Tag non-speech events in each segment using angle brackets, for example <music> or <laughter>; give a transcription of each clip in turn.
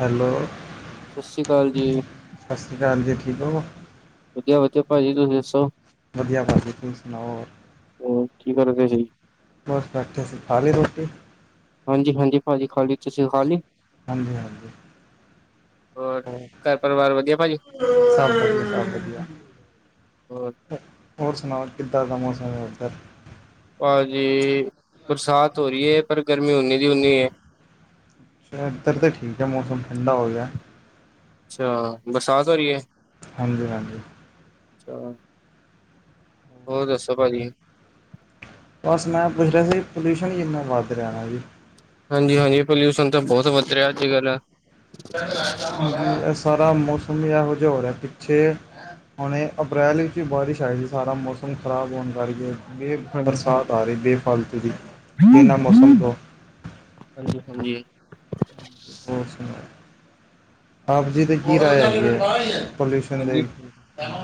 Hello, ਸਤਿ ਸ਼੍ਰੀ ਅਕਾਲ ਜੀ, ਸਤਿ ਸ਼੍ਰੀ ਅਕਾਲ ਜੀ, ਠੀਕ ਹੋ? ਵਧੀਆ ਵਧਿਆ ਭਾਜੀ, ਤੁਸੀ ਦੱਸੋ? ਵਧੀਆ, ਤੁਸੀਂ ਸੁਣਾਓ? ਉਹ ਕੀ ਕਰਦੇ ਸਹੀ- ਬਸ ਬੈਠੇ ਸੀ, ਖਾਲੀ ਰੋਟੀ ਹਾਂਜੀ ਹਾਂਜੀ, ਭਾਜੀ ਖਾਲੀ, ਤੁਸੀਂ ਖਾਲੀ, ਹਾਂਜੀ ਹਾਂਜੀ, ਹੋਰ ਘਰ ਪਰਿਵਾਰ ਵਧੀਆ ਭਾਜੀ ਸਬ ਠੀਕ ਠਾਕ ਵਧੀਆ, ਹੋਰ? ਹੋਰ ਸੁਣਾਓ, ਕਿੱਧਾਂ ਦਾ ਮੌਸਮ ਹੈ ਉੱਧਰ? ਭਾਜੀ ਬਰਸਾਤ ਹੋ ਰਹੀ ਹੈ, ਪਰ ਗਰਮੀ ਉਨੀ ਦੀ ਹੁੰਨੀ ਹੈ। ਇੱਧਰ ਤਾਂ ਠੀਕ ਹੈ, ਮੌਸਮ ਠੰਡਾ ਹੋ ਗਿਆ। ਅੱਛਾ, ਬਰਸਾਤ ਹੋ ਰਹੀ ਹੈ। ਹਾਂਜੀ ਹਾਂਜੀ, ਅੱਛਾ, ਹੋਰ ਦੱਸੋ ਭਾਜੀ? ਬਸ ਮੈਂ ਪੁੱਛ ਰਿਹਾ ਸੀ, ਪੋਲਿਊਸ਼ਨ ਹੀ ਕਿੰਨਾ ਵੱਧ ਰਿਹਾ ਜੀ। ਹਾਂਜੀ-ਹਾਂਜੀ, ਪੋਲਿਊਸ਼ਨ ਤਾਂ ਬਹੁਤ ਵਧ ਰਿਹਾ ਅੱਜ ਕੱਲ੍ਹ ਹਾਂਜੀ, ਇਹ ਸਾਰਾ ਮੌਸਮ ਹੀ ਇਹੋ ਜਿਹਾ ਹੋ ਰਿਹਾ ਪਿੱਛੇ ਹੁਣੇ ਅਪ੍ਰੈਲ ਵਿੱਚ ਬਾਰਿਸ਼ ਆਈ ਸੀ, ਸਾਰਾ ਮੌਸਮ ਖ਼ਰਾਬ ਹੋਣ ਕਰਕੇ, ਬੇ ਹਾਂਜੀ ਬਰਸਾਤ ਹਾਂਜੀ ਆ ਰਹੀ ਬੇਫਾਲਤੂ ਦੀ, ਬਿਨਾਂ ਮੌਸਮ ਤੋਂ ਹਾਂਜੀ ਹਾਂਜੀ, ਹੋਰ ਸੁਣਾਓ? ਆਪ ਜੀ ਦੀ ਕੀ ਰਾਏ ਐ ਪੋਲਊਸ਼ਨ ਦੇ, ਹਾਂਜੀ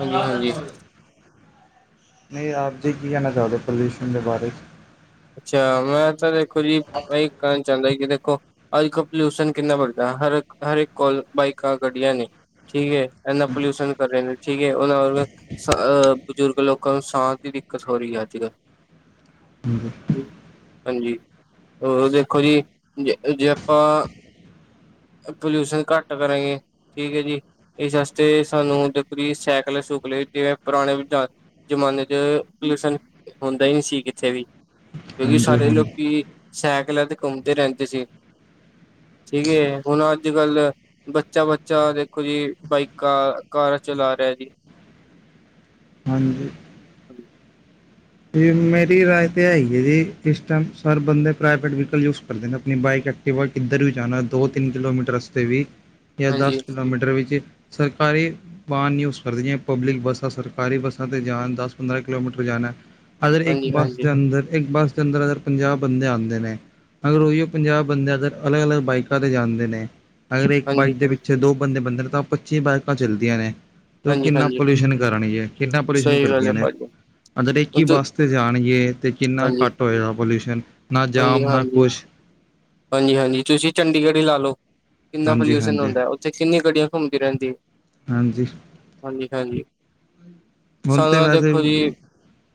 ਹਾਂਜੀ ਹਾਂਜੀ ਨਹੀਂ ਆਪ ਜੀ ਕੀ ਕਹਿਣਾ ਚਾਹੁੰਦੇ ਹੋ, ਪੋਲਿਊਸ਼ਨ ਦੇ ਬਾਰੇ 'ਚ ਅੱਛਾ ਮੈਂ ਤਾਂ ਦੇਖੋ ਜੀ, 'ਚ ਇਹ ਕਹਿਣ ਚਾਹੁੰਦਾ ਕਿ ਦੇਖੋ। ਅੱਜ ਕਲ ਪੋਲਿਊਸ਼ਨ ਕਿੰਨਾ ਵੱਦਡਾ, ਹਰ ਹਰ ਇਕ ਕੋਲ, ਬਾਈਕਾਂ ਗੱਢੀਆਂ ਨੇ ਠੀਕ ਹੈ। ਇੰਨਾ ਪੋਲਿਊਸ਼ਨ ਕਰ ਰਹੇ ਨੇ, ਠੀਕ ਹੈ, ਉਹਨਾਂ ਵਰਗਾ ਬਜ਼ੁਰਗ ਲੋਕਾਂ ਨੂੰ ਸਾਂ ਦੀ ਦਿੱਕਤ ਹੋ ਰਹੀ ਹੈ, ਅੱਜ ਕੱਲ੍ਹ ਹਾਂਜੀ। ਹਾਂਜੀ ਹੋਰ ਦੇਖੋ ਜੀ ਜੇ, ਜੇ ਆਪਾਂ ਪੋਲਿਊਸ਼ਨ ਘੱਟ ਕਰਾਂਗੇ। ਠੀਕ ਹੈ ਜੀ, ਇਸ ਵਾਸਤੇ ਦੇਖੋ ਜੀ ਸਾਈਕਲੇ ਸੁਕਲੇ, ਤੇ ਜਿਵੇ ਪੁਰਾਣੇ ਵਿਚਾਰ ਜ਼ਮਾਨੇ ਚ ਪ੍ਰਦੂਸ਼ਣ ਹੁੰਦਾ ਹੀ ਨਹੀਂ ਸੀ ਕਿਥੇ ਵੀ, ਕਿਉਂਕਿ ਹਾਂਜੀ ਹਾਂਜੀ ਸਾਰੇ ਹਾਂਜੀ ਲੋਕੀ ਸਾਈਕਲਾਂ ਤੇ ਘੁੰਮਦੇ ਰਹਿੰਦੇ ਸੀ, ਠੀਕ ਏ ਹੁਣ ਅੱਜ ਕੱਲ ਬੱਚਾ, ਬੱਚਾ ਦੇਖੋ ਜੀ, ਬਾਈਕਾਾਂ ਕਾਰਾਂ ਚਲਾ ਰਿਹਾ ਜੀ। ਹਾਂਜੀ ਹਾਂਜੀ, ਅਤੇ ਮੇਰੀ ਰਾਏ ਤਾਂ ਹੈਗੀ ਹੈ ਜੀ, ਇਸ ਟਾਈਮ ਸਾਰੇ ਬੰਦੇ ਪ੍ਰਾਈਵੇਟ ਵਹੀਕਲ ਯੂਜ ਕਰਦੇ ਨੇ, ਆਪਣੀ ਬਾਈਕ, ਕਿ ਵ ਕਿੱਧਰ ਵੀ ਜਾਣਾ, ਦੋ ਤਿੰਨ ਕਿਲੋਮੀਟਰ ਰਸਤੇ ਵੀ, ਜਾਂ ਹਾਂਜੀ ਦਸ ਕਿਲੋਮੀਟਰ ਵਿੱਚ ਸਰਕਾਰੀ, ਬੂ ਕਰਦੀਆਂ ਪਬਲਿਕ ਬੱਸਾਂ, ਸਰਕਾਰੀ ਬੱਸਾਂ 'ਤੇ ਜਾਣ, ਦਸ ਪੰਦਰਾਂ ਕਿਲੋਮੀਟਰ ਜਾਣਾ। ਅਗਰ ਇੱਕ ਹਾਂਜੀ ਬੱਸ ਹਾਂਜੀ ਦੇ ਅੰਦਰ, ਇੱਕ ਬੱਸ ਦੇ ਅੰਦਰ ਅਗਰ, ਪੰਜਾਹ ਬੰਦੇ ਆਉਂਦੇ ਨੇ, ਅਗਰ ਉਹੀਓ ਪੰਜਾਹ ਬੰਦੇ ਅਗਰ, ਅਲੱਗ ਅਲੱਗ ਬਾਈਕਾਂ ਤੇ ਜਾਂਦੇ ਨੇ, ਅਗਰ ਇੱਕ ਹਾਂਜੀ ਬਾਈਕ ਦੇ ਹਾਂਜੀ ਪਿੱਛੇ ਦੋ ਬੰਦੇ ਬੈਠੇ ਨੇ ਤਾਂ ਪੱਚੀ ਬਾਈਕਾਂ ਚੱਲਦੀਆਂ ਨੇ। ਤੇ ਉਹ ਹਾਂਜੀ ਕਿੰਨਾ ਹਾਂਜੀ ਪੋਲਿਊਸ਼ਨ ਕਰਣੀ ਹੈ ਕਿੰਨਾ ਪੋਲਿਊਸ਼ਨ ਸਹੀ ਗੱਲ ਕਰਦੀਆਂ ਹੈ ਨੇ ਭਾਜੀ ਆ ਜਿਹੜੀ। ਕੀ ਹੁਣ ਬੱਸ ਤੇ ਜਾਣਗੇ, ਤੇ ਕਿੰਨਾ ਹਾਂਜੀ ਘੱਟ ਹੋਏਗਾ ਪੋਲਿਊਸ਼ਨ। ਨਾ ਹਾਂਜੀ, ਜਾਮ ਨਾ ਹਾਂਜੀ, ਕੁਛ ਹਾਂਜੀ, ਹਾਂਜੀ, ਤੁਸੀਂ ਚੰਡੀਗੜ੍ਹ ਹੀ ਲਾ ਲਓ। ਕਿੰਨਾ ਹਾਂਜੀ ਪੋਲਿਊਸ਼ਨ ਹਾਂਜੀ ਹੁੰਦਾ, ਉੱਥੇ ਕਿੰਨੀ ਗੱਡੀਆਂ ਘੁੰਮਦੀ ਰਹਿੰਦੀਆਂ। ਹਾਂਜੀ। ਹਾਂਜੀ, ਹਾਂਜੀ ਹੁਣ ਤੇ ਸਾਨੂੰ ਵੈਸੇ ਦੇਖੋ ਜੀ। ਵੀ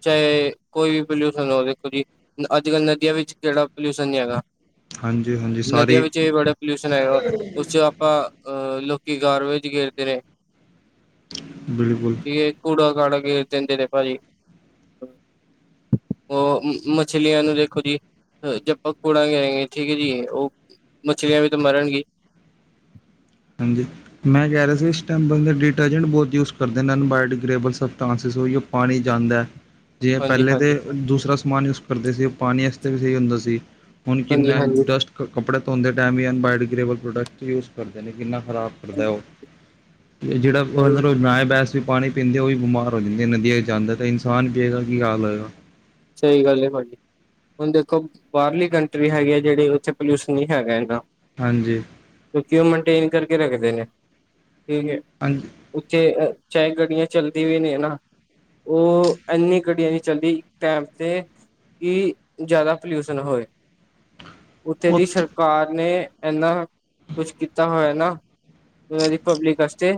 ਚਾਹੇ ਕੋਈ ਵੀ ਪੋਲਿਊਸ਼ਨ ਹੋ ਦੇਖੋ ਜੀ, ਅੱਜ ਕੱਲ੍ਹ ਨਦੀਆਂ ਵਿੱਚ। ਜਿਹੜਾ ਪੋਲਿਊਸ਼ਨ ਨਹੀਂ ਹੈਗਾ, ਹਾਂਜੀ ਹਾਂਜੀ ਨਦੀਆਂ ਸਾਰੇ ਵਿੱਚ ਵੀ ਬੜੇ। ਪੋਲਿਊਸ਼ਨ ਆਏ ਉਸ ਚ ਆਪਾਂ ਅਹ ਲੋਕੀ ਗਾਰਵੇਜ ਗੇਰਦੇ ਨੇ। ਬਿਲਕੁਲ। ਇਹ ਕੂੜਾ ਕਾੜਾ ਗੇਰ ਦਿੰਦੇ ਨੇ ਭਾਜੀ। ਉਹ ਮੱਛਲੀਆਂ ਨੂੰ ਦੇਖੋ ਜੀ। ਜੇ ਆਪਾਂ ਕੂੜਾ ਗੇਰਾਗੇ ਠੀਕ ਹੈ ਜੀ, ਉਹ ਮੱਛਲੀਆਂ ਵੀ ਤਾਂ ਮਰਨਗ਼ੀ। ਹਾਂਜੀ। ਮੈਂ ਕਹਿ ਰਿਹਾ ਸੀ, ਇਸ ਟਾਈਮ ਦੇ ਡਿਟਰਜੈਂਟ ਬਹੁਤ ਯੂਜ ਕਰਦੇ ਅਨਬਾਇਓ ਡਿਗ੍ਰੇਬਲ ਸਸਟਸਿਸ ਓਹੀਓ। ਪਾਣੀ ਜਾਂਦਾ। ਜਿਵੇ ਹਾਂਜੀ ਪਹਿਲੇ ਤੇ ਹਾਂਜੀ ਦੂਸਰਾ ਸਮਾਨ ਯੂਜ ਕਰਦੇ ਸੀ, ਉਹ ਪਾਣੀ ਵਾਸਤੇ ਵੀ ਸਹੀ ਹੁੰਦਾ ਸੀ। ਹੁਣ ਹਾਂਜੀ ਕਿੰਨਾ ਹਾਂਜੀ ਡਸਟ ਕਪੜੇ ਧੋਂਦੇ ਟਾਈਮ ਹੀ ਐਨਬਾਇਓੋਗ੍ਰੇਬਲ ਪ੍ਰੋਡਕਟ ਯੂਜ ਕਰਦੇ ਨੇ ਕਿੰਨਾ। ਖਰਾਬ ਕਰਦਾ ਉਹ ਤੇ ਜਿਹੜਾ ਉਹ ਰੋਜ ਰੋਜ ਬਣਾਏ ਬੈਸਟ। ਤੁਸੀਂ ਪਾਣੀ ਪੀਂਦੇ ਹੋ ਉਹ ਵੀ ਬਿਮਾਰ ਹੋ ਜਾਂਦੇ ਨੇ ਨਦੀਆਂ 'ਚ ਜਾਂਦਾ ਤਾਂ ਇਨਸਾਨ ਪੀਏਗਾ ਕੀ ਹਾਲ ਹੋਏਗਾ। ਸਹੀ ਗੱਲ ਹੈ ਭਾਜੀ। ਹੁਣ ਦੇਖੋ ਬਾਹਰਲੀ ਕੰਟਰੀ ਹੈਗੀ ਆ ਜਿਹੜੀ ਉੱਥੇ ਪੋਲਿਊਸ਼ਨ ਨਹੀਂ ਹੈਗਾ ਇਨਾ। ਹਾਂਜੀ। ਕਿਉਂ ਉਹ ਮੇਨਟੇਨ ਕਰਕੇ ਰੱਖਦੇ ਨੇ, ਠੀਕ ਹੈ। ਹਾਂਜੀ। ਉੱਥੇ ਚਾਹੇ ਗੱਡੀਆਂ ਚੱਲਦੀਆਂ ਵੀ ਨੇ ਨਾ, ਉਹ ਇਨੀ ਗੱਡੀਆਂ ਨਹੀਂ ਚੱਲਦੀਆ। ਟਾਈਮ ਤੇ ਵੀ ਜ਼ਿਆਦਾ ਪੋਲਿਊਸ਼ਨ ਹੋਏ। ਉੱਥੇ ਦੀ ਸਰਕਾਰ ਨੇ ਇਨਾ ਕੁਛ ਕੀਤਾ ਹੋਇਆ ਨਾ। ਉਹਨਾਂ ਦੀ ਪਬਲਿਕ ਵਾਸਤੇ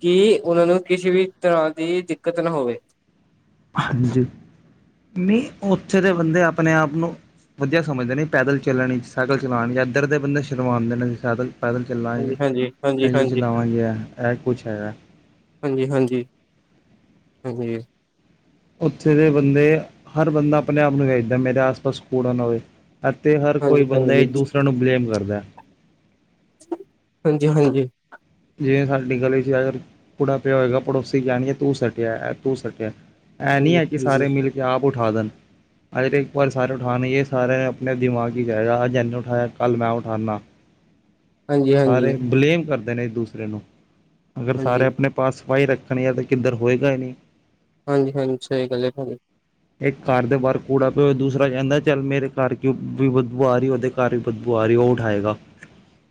ਕਿ ਉਹਨਾਂ ਨੂੰ ਕਿਸੇ ਵੀ ਤਰ੍ਹਾਂ ਦੀ ਦਿੱਕਤ ਨਾ ਹੋਵੇ। ਹਾਂਜੀ, ਨਹੀਂ ਉੱਥੇ ਦੇ ਬੰਦੇ ਆਪਣੇ ਆਪ ਨੂੰ। ਵਧੀਆ ਸਮਝਦੇ ਨੇ ਪੈਦਲ ਚੱਲਣ ਸਾਈਕਲ ਵਿੱਚ ਚਲਾਉਣ ਜਾਂ, ਇੱਧਰ ਦੇ ਬੰਦੇ ਸ਼ਰਮਾਉਂਦੇ ਨੇ। ਸਾਈਕਲ ਪੈਦਲ ਚੱਲਾਂਗੇ ਹਾਂਜੀ ਹਾਂਜੀ ਹਾਂਜੀ ਸਾਈਕਲ ਹਾਂਜੀ ਚਲਾਵਾਂਗੇ ਇਹ ਕੁਛ ਹੈਗਾ। ਹਾਂਜੀ, ਹਾਂਜੀ, ਹਾਂਜੀ। ਉੱਥੇ ਦੇ ਬੰਦੇ ਹਰ ਬੰਦਾ ਆਪਣੇ ਆਪ ਨੂੰ ਵੇਖਦਾ ਏ ਮੇਰੇ ਆਸ ਪਾਸ ਕੂੜਾ ਨਾ ਹੋਵੇ। ਅਤੇ ਹਰ ਕੋਈ ਹਾਂਜੀ ਹਾਂਜੀ ਬੰਦਾ ਹਾਂਜੀ ਇੱਕ ਦੂਸਰਾ ਨੂੰ ਬਲੇਮ ਕਰਦਾ। ਹਾਂਜੀ ਹਾਂਜੀ। ਜਿਵੇਂ ਸਾਡੀ ਗਲੀ ਚ ਅਗਰ ਕੂੜਾ ਪਿਆ ਹੋਏਗਾ ਪੜੋਸੀ ਕਹਿਣਗੇ ਤੂੰ ਸੱਟਿਆ ਇਹ ਤੂੰ ਸੁੱਟਿਆ। ਇਹ ਨਹੀਂ ਹਾਂਜੀ ਹੈ ਕਿ ਸਾਰੇ ਮਿਲ ਕੇ ਆਪ ਉਠਾ ਦੇਣ। ਅਜ ਪਰ ਸਾਰੇ ਉਠਾਉਣਗੇ ਸਾਰੇ ਆਪਣੇ ਦਿਮਾਗ ਵਿਚ ਜਾਏਗਾ ਅੱਜ ਇਹਨੇ ਉਠਾਇਆ ਕੱਲ ਮੈਂ ਉਠਾਉਨਾ। ਸਾਰੇ ਬਲੇਮ ਕਰਦੇ ਨੇ ਇੱਕ ਦੂਸਰੇ ਨੂੰ ਅਗਰ ਸਾਰੇ ਹਾਂਜੀ ਹਾਂਜੀ ਆਪਣੇ ਆਪਣੇ। ਪਾਸ ਸਫਾਈ ਰੱਖਣ ਆ ਤਾਂ ਕਿੱਧਰ ਹੋਏਗਾ ਹੀ ਨਹੀਂ। ਹਾਂਜੀ, ਹਾਂਜੀ ਸਹੀ ਗੱਲ ਹੈ ਤੁਹਾਡੀ। ਇੱਕ ਘਰ ਦੇ ਬਾਹਰ ਕੂੜਾ ਪਿਆ ਹੋਏ ਦੂਸਰਾ ਕਹਿੰਦਾ ਚੱਲ ਮੇਰੇ ਘਰ ਕਿਉ ਬਦਬੂ ਆ ਰਹੀ। ਉਹਦੇ ਘਰ ਚ ਬਦਬੂ ਆ ਰਹੀ ਹੈ ਉਹ ਉਠਾਏਗਾ।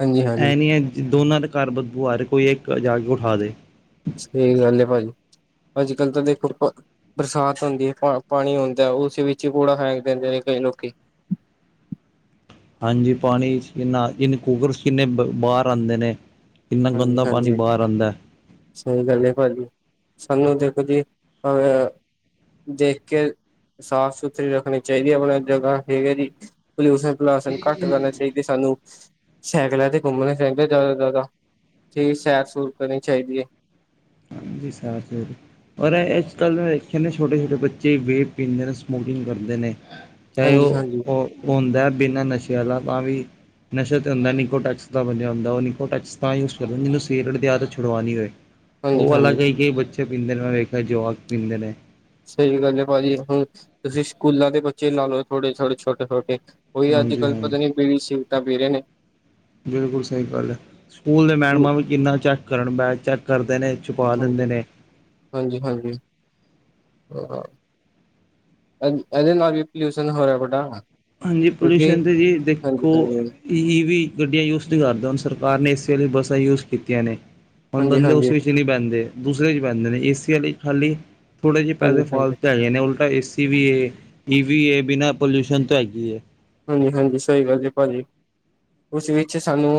ਹਾਂਜੀ ਹਾਂਜੀ ਇਹ ਨੀ ਹੈ ਦੋਨਾਂ ਦੇ ਘਰ ਬੱਦਬੂ ਆ ਰਹੀ ਕੋਈ ਇੱਕ ਜਾ ਕੇ ਉਠਾ ਦੇ। ਸਹੀ ਗੱਲ ਹੈ ਭਾਜੀ। ਭਾਜੀ ਕੱਲ ਤਾਂ ਦੇਖੋ। ਬਰਸਾਤ ਹੁੰਦੀ ਹੈ ਪਾ ਪਾਣੀ ਹੁੰਦਾ ਉਸ ਵਿੱਚ ਹੀ ਕੂੜਾ ਫੈਂਕ ਦਿੰਦੇ ਨੇ ਕਈ ਲੋਕੀ। ਹਾਂਜੀ ਪਾਣੀ ਚ ਕਿੰਨਾ ਕੂਗਰ ਚ ਕਿੰਨੇ ਬਾਹਰ ਆਉਂਦੇ ਨੇ। ਕਿੰਨਾ ਹਾਂਜੀ, ਗੰਦਾ ਪਾਣੀ ਹਾਂਜੀ। ਬਾਹਰ ਆਉਂਦਾ ਸਹੀ ਗੱਲ ਏ ਭਾਜੀ, ਸਾਨੂੰ ਦੇਖੋ ਜੀ ਅ ਦੇਖ ਕੇ ਸਾਫ਼ ਸੁਥਰੀ ਰੱਖਣੀ ਚਾਹੀਦੀ ਐ ਆਪਣੇ ਜਗ੍ਹਾ, ਠੀਕ ਐ ਜੀ। ਪੋਲਿਊਸ਼ਨ ਪਲੂਸ਼ਨ ਘੱਟ ਕਰਨਾ ਚਾਹੀਦੇ ਸਾਨੂੰ, ਸਾਈਕਲਾਂ ਤੇ ਘੁੰਮਣਾ ਚਾਹੀਦਾ ਜ਼ਿਆਦਾ ਤੋਂ ਜ਼ਿਆਦਾ। ਠੀਕ ਸੈਰ ਸੂਰ ਕਰਨੀ ਚਾਹੀਦੀ ਐ। ਹਾਂਜੀ ਸੈਰ ਸੁਰ ਪਰ ਅੱਜ-ਕੱਲ੍ਹ ਮੈਂ ਦੇਖਿਆ ਛੋਟੇ-ਛੋਟੇ ਬੱਚੇ ਵੇਬ ਪੀਂਦੇ ਨੇ, ਸਮੋਕਿੰਗ ਕਰਦੇ ਨੇ। ਚਾਹੇ ਹਾਂਜੀ ਹਾਂਜੀ ਉਹ ਹੁੰਦਾ ਬਿਨਾਂ ਨਸ਼ੇ ਆਲਾ, ਤਾਂ ਵੀ ਨਸ਼ਾ ਤੇ ਹੁੰਦਾ ਨਿਕੋ ਟੈਕਸ ਦਾ ਬਣਿਆ ਹੁੰਦਾ, ਉਹ ਨਿਕੋ ਟੈਕਸ ਤਾਂ ਯੂਜ਼ ਕਰਦਾ, ਜਿਹਨੂੰ ਸਿਗਰਟ ਦੇ ਆਦਤ ਛੁਡਵਾ ਨਹੀਂ ਹੋਵੇ। ਹਾਂਜੀ ਉਹ ਅਲੱਗ ਹਾਂਜੀ ਹੀ ਕਈ ਬੱਚੇ ਪੀਂਦੇ ਨੇ, ਮੈਂ ਵੇਖਿਆ ਜਵਾਕ ਪੀਂਦੇ ਨੇ। ਸਹੀ ਗੱਲ ਐ ਭਾਜੀ, ਹੁਣ ਤੁਸੀਂ ਸਕੂਲਾਂ ਦੇ ਬੱਚੇ ਲਾ ਲੋ, ਥੋੜੇ- ਥੋੜੇ, ਛੋਟੇ-ਛੋਟੇ ਉਹੀ ਹਾਂਜੀ ਅੱਜ-ਕੱਲ ਹਾਂ ਪਤਾ ਨੀ ਬੀੜੀ ਸੀਰਗਟਾਂ ਪੀ ਰਹੇ ਨੇ। ਬਿਲਕੁਲ ਸਹੀ ਗੱਲ ਐ, ਸਕੂਲ ਦੇ ਮੈਡਮਾਂ ਵੀ ਕਿੰਨਾ ਚੱਕ ਕਰਨ ਬੈ ਚੈੱਕ ਕਰਦੇ ਨੇ, ਛੁਪਾ ਲੈਂਦੇ ਨੇ। ਹਾਂਜੀ-ਹਾਂਜੀ। ਇਹਦੇ ਨਾਲ ਵੀ ਪੋਲਿਊਸ਼ਨ ਹੋਰ ਰਿਹਾ ਵੱਡਾ। ਹਾਂਜੀ, ਕਿਉਂਕਿ ਪੋਲਿਊਸ਼ਨ ਤੇ ਜੀ ਹਾਂਜੀ ਦੇਖੋ ਹਾਂਜੀ ਹਾਂਜੀ ਈ ਵੀ ਗੱਡੀਆਂ ਯੂਜ ਨਹੀਂ ਕਰਦੇ, ਹੁਣ ਸਰਕਾਰ ਨੇ ਏ ਸੀ ਵਾਲੀ ਬੱਸਾਂ ਯੂਜ ਕੀਤੀਆਂ ਨੇ। ਹੁਣ ਹਾਂਜੀ ਬੰਦੇ ਉਸ ਹਾਂਜੀ ਵਿੱਚ ਹੀ ਨਹੀਂ ਬਹਿੰਦੇ ਦੂਸਰੇ ਚ ਬਹਿੰਦੇ ਨੇ, ਏਸੀ ਵਾਲੇ ਖਾਲੀ ਥੋੜ੍ਹੇ ਜਿਹੇ ਪੈਸੇ ਹਾਂਜੀ ਫਾਲਤੂ ਤਾਂ ਹੈਗੇ ਨੇ, ਉਲਟਾ ਏ ਸੀ ਵੀ ਏ, ਈ ਵੀ ਏ ਬਿਨਾਂ ਪੋਲਿਊਸ਼ਨ ਤੋਂ ਹੈਗੀ। ਹਾਂਜੀ-ਹਾਂਜੀ, ਸਹੀ ਗੱਲ ਜੀ ਭਾਜੀ। ਉਸ ਵਿੱਚ ਸਾਨੂੰ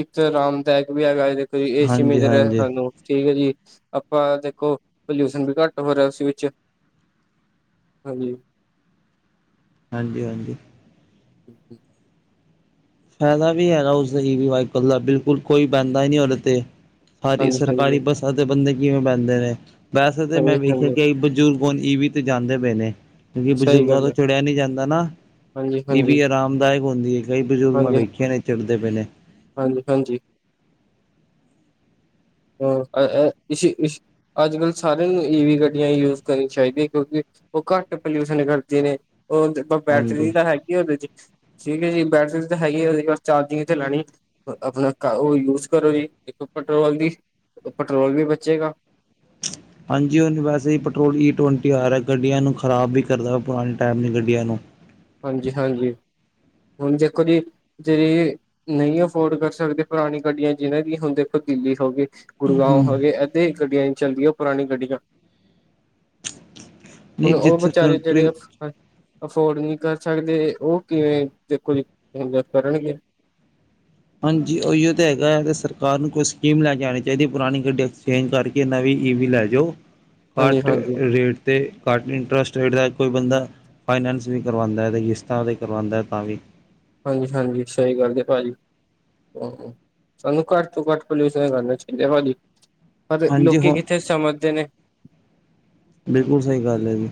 ਇੱਕ ਆਰਾਮਦਾਇਕ ਵੀ ਹੈਗਾ, ਕੋਈ ਏ ਸੀ ਹਾਂਜੀ ਮਿਲ ਰਿਹਾ ਹਾਂਜੀ ਸਾਨੂੰ। ਠੀਕ ਐ ਜੀ, ਆਪਾਂ ਦੇਖੋ ਪੋਲਿਊਸ਼ਨ ਵੀ ਘੱਟ ਹੋ ਰਿਹਾ ਉਸ ਵਿੱਚ। ਹਾਂਜੀ। ਹਾਂਜੀ-ਹਾਂਜੀ। <inaudible> ਫਾਇਦਾ ਵੀ ਹੈਗਾ ਉਸਦਾ ਈ ਵੀ ਵਾਈਕਲ ਦਾ, ਬਿਲਕੁਲ ਕੋਈ ਬਹਿੰਦਾ ਈ ਨਹੀਂ ਉਹਦੇ ਤੇ। ਸਾਰੀ ਹਾਂਜੀ ਸਰਕਾਰੀ ਹਾਂਜੀ ਬੱਸਾਂ ਤੇ ਬੰਦੇ ਕਿਵੇਂ ਬਹਿੰਦੇ ਨੇ, ਵੈਸੇ ਤਾਂ ਮੈਂ ਹਾਂਜੀ ਵੇਖਿਆ ਹਾਂਜੀ ਕਿ ਬਜ਼ੁਰ ਹੁਣ ਈ ਵੀ ਤੇ ਜਾਂਦੇ ਪਏ ਨੇ, ਕਿਉਂਕਿ ਸਹੀ ਬਜ਼ੁਰਗਾਂ ਗੱਲ ਤੋਂ ਹੈ ਚੜਿਆ ਨੀ ਜਾਂਦਾ ਨਾ, ਹਾਂਜੀ ਈ ਵੀ ਹਾਂਜੀ ਆਰਾਮ ਅਰਾਮਦਾਇਕ ਹੁੰਦੀ ਏ, ਕਈ ਬਜ਼ੁਰਗ ਮੈਂ ਵੇਖਿਆ ਨੇ ਚੜਦੇ ਪਏ ਨੇ। ਹਾਂਜੀ-ਹਾਂਜੀ। ਇਸੀ-ਇਸੀ ਅੱਜ-ਕੱਲ੍ਹ ਸਾਰਿਆਂ ਨੂੰ ਈ ਵੀ ਗੱਡੀਆਂ ਯੂਜ ਕਰਨੀਆਂ ਚਾਹੀਦੀਆਂ, ਕਿਉਂਕਿ ਉਹ ਘੱਟ ਪੋਲਿਊਸ਼ਨ ਕਰਦੀਆਂ ਨੇ, ਉਹ ਬੈਟਰੀ ਹਾਂਜੀ। ਤਾਂ ਹੈਗੀ ਉਹਦੇ ਚ। ਠੀਕ ਹੈ ਜੀ, ਬੈਟਰੀ ਤਾਂ ਹੈਗੀ ਉਹਦੀ ਬਸ ਚਾਰਜਿੰਗ ਤੇ ਲਾਣੀ ਐ। ਆਪਣਾ ਉਹ ਯੂਜ ਕਰੋ ਜੀ, ਦੇਖੋ ਪੈਟਰੋਲ ਦੀ ਪੈਟਰੋਲ ਵੀ ਬਚੇਗਾ। ਹਾਂਜੀ, ਹੁਣ ਵੈਸੇ ਹੀ ਪੈਟਰੋਲ ਈ ਟਵੰਟੀ ਆ ਰਿਆ, ਗੱਡੀਆਂ ਨੂੰ ਖ਼ਰਾਬ ਵੀ ਕਰਦਾ ਵਾ, ਪੁਰਾਣੇ ਟੈਮ ਦੀ ਗੱਡੀਆਂ ਨੂੰ। ਹਾਂਜੀ-ਹਾਂਜੀ, ਹੁਣ ਦੇਖੋ ਜੀ ਜਿਹੜੇ ਨਹੀਂ ਅਫੋਰਡ ਕਰ ਸਕਦੇ, ਪੁਰਾਣੀ ਗੱਡੀਆਂ ਜਿਹਨਾਂ ਦੀ ਹੁਣ ਦੇਖੋ ਤਬਦੀਲੀ ਹੋ ਗਈ। ਗੁੜਗਾਉਂ ਹੂੰ ਹੈਗੇ ਅੱਧੇ ਗੱਡੀਆਂ ਨਹੀਂ ਚੱਲਦੀਆਂ, ਪੁਰਾਣੀ ਗੱਡੀਆਂ। ਹੁਣ ਨਹੀਂ ਉਹ ਜਿੱਥੇ ਵਿਚਾਰੇ ਕੰਟਰੀ ਜਿਹੜੇ ਅਫੋਰਡ ਨਹੀਂ ਕਰ ਸਕਦੇ, ਉਹ ਕਿਵੇਂ ਦੇਖੋ ਕੁਝ ਤਾਂ ਕਰਨਗੇ। ਹਾਂਜੀ ਉਹੀਓ ਤਾ ਹੈਗਾ, ਤੇ ਸਰਕਾਰ ਨੂੰ ਕੋਈ ਸਕੀਮ ਲੈ ਜਾਣੀ ਚਾਹੀਦੀ ਐ, ਪੁਰਾਣੀ ਗੱਡੀ ਐਕਸਚੇਂਜ ਕਰਕੇ ਕਿ ਨਾ ਵੀ ਈਵੀ ਲੈ ਜੋ, ਘੱਟ ਹਾਂਜੀ-ਹਾਂਜੀ, ਰੇਟ ਤੇ ਘੱਟ ਇੰਟਰਸਟ ਰੇਟ ਦਾ ਕੋਈ ਬੰਦਾ ਫਾਈਨੈਂਸ ਵੀ ਕਰਵਾਂਦਾ ਐ, ਤੇ ਕਿਸ਼ਤਾਂ ਤੇ ਕਰਵਾਂਦਾ ਐ, ਤਾਂ ਵੀ ਹਾਂਜੀ-ਹਾਂਜੀ, ਸਹੀ ਗੱਲ ਏ ਭਾਜੀ। ਸਾਨੂੰ ਘੱਟ ਤੋਂ ਘੱਟ ਪੋਲਿਊਸ਼ਨ ਕਰਨਾ ਚਾਹੀਦਾ, ਹਾਂਜੀ। ਅਤੇ ਹਾਂਜੀ ਲੋਕੀ ਹੁਣ ਕਿੱਥੇ ਸਮਝਦੇ ਨੇ। ਬਿਲਕੁਲ ਸਹੀ ਗੱਲ ਹੈ ਜੀ।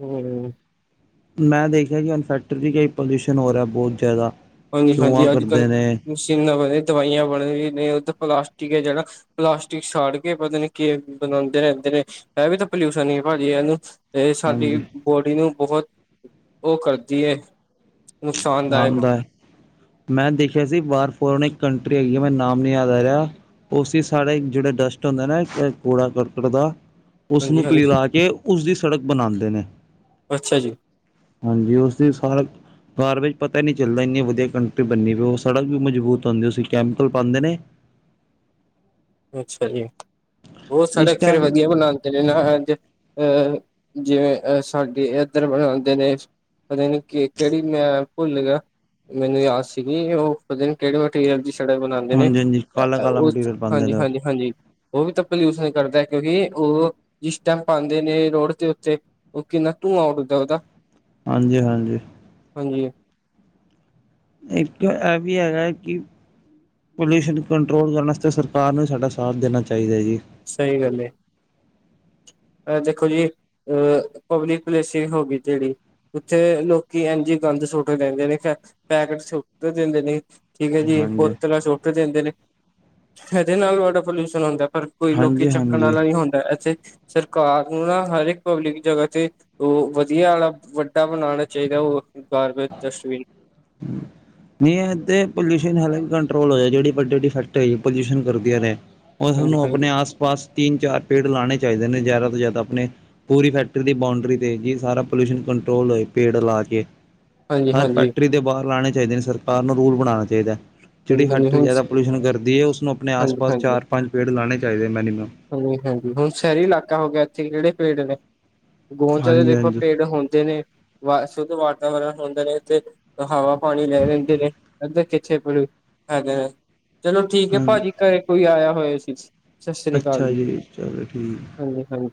ਹੂੰ, ਮੈਂ ਦੇਖਿਆ ਕਿ ਹੁਣ ਫੈਕਟਰੀ ਕਈ ਪੋਲਿਊਸ਼ਨ ਹੋ ਰਿਹਾ ਬਹੁਤ ਜ਼ਿਆਦਾ। ਧੂੰਆਂ ਹਾਂਜੀ-ਹਾਂਜੀ, ਕਰਦੇ ਅੱਜ-ਕੱਲ੍ਹ ਨੇ ਮਸ਼ੀਨਾਂ ਬਣੇ ਦਵਾਈਆਂ ਬਣੇ, ਵੀ ਨੇ ਉਧਰ ਪਲਾਸਟਿਕ ਐ ਜਿਹੜਾ ਪਲਾਸਟਿਕ ਸਾੜ ਕੇ ਪਤਾ ਨੀ ਕਿ ਬਣਾਂਦੇ ਰੈਂਦੇ ਨੇ ਇਹ ਵੀ ਤਾਂ ਪੋਲਿਊਸ਼ਨ ਹੀ ਭਾਜੀ ਇਨੂੰ ਇਹ ਸਾਡੀ ਬੋਡੀ ਨੂੰ ਬਹੁਤ ਉਹ ਕਰਦੀ ਹੈ ਨੁਕਸਾਨਦਾਇਕ ਆਂਦਾ ਮੈਂ ਦੇਖਿਆ ਸੀ ਬਾਹਾਰ ਫੋਰਨ ਇੱਕ ਕੰਟਰੀ ਹੈਗੀ ਆ ਮੈ ਨਾਮ ਨ ਯਾਦ ਆ ਰਿਹਾ ਉਸ ਸਾਰੇਾ ਜਿਹੜੇ ਡਸਟ ਹੁੰਦੇ ਨਾ ਕੂੜਾ ਕਰਕਟ ਦਾ ਉਸ ਨੂੰ ਹਾਂਜੀ-ਹਾਂਜੀ ਪਿਘਲਾ ਕੇ ਉਸਦੀ ਸੜਕ ਬਣਾਂਦੇ ਨੇ ਅੱਛਾ ਜੀ, ਹਾਂਜੀ ਉਸਦੀ ਸਾਰਾ ਕਾਰ ਵਿੱਚ ਪਤਾ ਹੀ ਨ ਚੱਲਦਾ ਇੰਨੀ ਵਧੀਆ ਕੰਟਰੀ ਬਣਨੀ ਪ ਉਹ ਸੜਕ ਵੀ ਮਜ਼ਬੂਤ ਹੁੰਦੀ ਕੈਮੀਕਲ ਪਾਂਦੇ ਨੇ ਅੱਛਾ ਜੀ ਹੋ ਇਸ ਸੜਕ ਫੇਿਰ ਟਾਈਮ ਵਧੀਆ ਬਣਾ ਨਾ ਐਂਜ ਜਿਵੇਂ ਅਹ ਸਾਡੇ ਇਦਰ ਬਣਾਂਦੇ ਨੇ ਪਤਾ ਨਹੀਂ ਕਿਹੜੀ ਮੈਂ ਭੁੱਲ ਗਿਆ। ਮੈਨੂੰ ਯਾਦ ਸੀਗੀ ਉਹ ਪਤਾ ਨਹੀ ਕਿਹੜੇ ਮਟੀਰੀਅਲ ਦੀ ਸੜਕ ਬਣਾਣੀ। ਹਾਂਜੀ ਹਾਂਜੀ ਕਾਲਾ ਕਾਲਾ ਮਟੀਰੀਅਲ ਪਾਂਦੇ ਨੇ ਉਹ। ਹਾਂਜੀ ਹਾਂਜੀ ਉਹ ਵੀ ਤਾਂ ਪੱਲਿਊਸ਼ਨ ਕਰਦਾ ਕਿਉਂਕਿ ਉਹ ਜਿਸ ਟਾਈਮ ਪਾਂਦੇ ਨੇ ਰੋਡ ਦੇ ਉੱਤੇ ਕਿੰਨਾ ਧੂਆਂ ਉਡਦਾ ਉਹਦਾ। ਹਾਂਜੀ ਹਾਂਜੀ। ਹਾਂਜੀ। ਇੱਕ ਇਹ ਵੀ ਹੈਗਾ ਕਿ ਪੋਲਿਊਸ਼ਨ ਕੰਟਰੋਲ ਕਰਨ ਵਾਸਤੇ ਸਰਕਾਰ ਨੂੰ ਸਾਡਾ ਸਾਥ ਦੇਣਾ ਚਾਹੀਦਾ ਜੀ। ਸਹੀ ਗੱਲ ਹੈ ਏ। ਐ ਦੇਖੋ ਜੀ ਅਹ ਪਬਲਿਕ ਪਲੇਸਿਜ ਹੋ ਗਈ ਜਿਹੜੀ ਉੱਥੇ ਲੋਕੀ ਇੰਜ ਗੰਦ ਸੁਟ ਦਿੰਦੇ ਨੇ ਪੈਕਟ ਸੁਟ ਦਿੰਦੇ ਨੇ ਠੀਕ ਹੈ ਜੀ ਹਾਂਜੀ ਬੋਤਲਾਂ ਸੁਟ ਦਿੰਦੇ ਨੇ ਇਹਦੇ ਨਾਲ ਵਾਟਰ ਪੋਲਿਊਸ਼ਨ ਹੁੰਦਾ ਪਰ ਕੋਈ ਲੋਕੀ ਚੱਕਣ ਹਾਂਜੀ-ਹਾਂਜੀ। ਵਾਲਾ ਨਹੀਂ ਹੁੰਦਾ ਇੱਥੇ ਸਰਕਾਰ ਨੂੰ ਨਾ ਹਰ ਇੱਕ ਪਬਲਿਕ ਜਗ੍ਹਾ ਤੇ ਉਹ ਵਧੀਆ ਵਾਲਾ ਵੱਡਾ ਬਣਾਣਾ ਚਾਹੀਦਾ ਉਹ ਗਾਰਬੇਜ ਡਸਟਬਿਨ। ਹਮ। ਨਹੀਂ ਐ ਤੇ ਪੋਲਿਊਸ਼ਨ ਹਾਲਕਿ ਕੰਟਰੋਲ ਹੋ ਜਿਹੜੀ ਵੱਡੀ ਵਡੀ ਫੈਕਟਰੀ ਪੋਲਿਊਸ਼ਨ ਕਰਦੀਆਂ ਨੇ। ਉਹ ਹਾਂਜੀ ਸਾਨੂੰ ਹਾਂਜੀ ਆਪਣੇ ਆਸ ਪਾਸ ਤਿੰਨ ਚਾਰ ਪੇੜ ਲਾਣੇ ਚਾਹੀਦੇ ਨੇ ਜ਼ਿਆਦਾ ਤੋਂ ਜ਼ਿਆਦਾ ਆਪਣੇ ਪੂਰੀ ਫੈਕਟਰੀ ਦੀ ਬਾਊਂਡਰੀ ਤੇ ਜੀ ਸਾਰਾ ਪੋਲਿਊਸ਼ਨ ਕੰਟਰੋਲ ਹੋਏ ਪੇੜ ਲਾ ਕੇ। ਹਾਂਜੀ ਹਰ ਹਾਂਜੀ ਫੈਕਟਰੀ ਦੇ ਬਾਹਰ ਲਾਣੇ ਚਾਹੀਦੇ ਨੇ ਸਰਕਾਰ ਨੂੰ ਰੂਲ ਬਣਾਣਾ ਚਾਹੀਦਾ ਹੈ। ਜਿਹੜੀ ਹਾਂਜੀ ਹਾਂਜੀ ਫੈਕਟਰੀ ਹੁਣ ਜ਼ਿਆਦਾ ਪੋਲਿਊਸ਼ਨ ਕਰਦੀ ਹੈ ਉਸਨੂੰ ਆਪਣੇ ਆਸ ਹਾਂਜੀ ਪਾਸ ਹਾਂਜੀ ਚਾਰ ਪੰਜ ਪੇੜ ਲਾਣੇ ਚਾਹੀਦੇ ਮਿਨੀਮਮ ਹਾਂਜੀ ਹਾਂਜੀ ਹੁਣ ਸ਼ਹਿਰੀ ਇਲਾਕਾ ਹੋ ਗਿਆ ਇੱਥੇ ਕਿਹੜੇ ਪੇੜ ਨੇ। ਗੋਂਚ ਦੇਖੋ ਹਾਂਜੀ-ਹਾਂਜੀ, ਪੇੜ ਹੁੰਦੇ ਨੇ। ਸ਼ੁੱਧ ਵਾਤਾਵਰਨ ਹੁੰਦਾ ਨੇ ਤੇ ਹਵਾ ਪਾਣੀ ਲੈ ਲੈਂਦੇ ਨੇ ਅੱਧ ਕਿੱਥੇ ਹਾਂ ਚਲੋ ਠੀਕ ਹੈ ਹਾਂ ਭਾਜੀ ਘਰੇ ਕੋਈ ਆਇਆ ਹੋਇਆ ਸੀ। ਸਤਿ ਸ੍ਰੀ ਅਕਾਲ ਅੱਛਾ ਜੀ ਚਲੋ ਠੀਕ। ਹਾਂਜੀ ਹਾਂਜੀ।